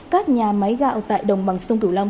các nhà máy gạo tại đồng bằng sông cửu long